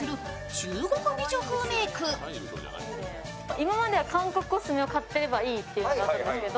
今までは韓国コスメを買ってればいいとうのがあったんですけど。